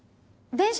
電車？